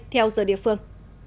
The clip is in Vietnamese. theo giờ địa phương